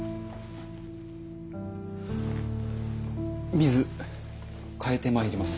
水替えてまいります。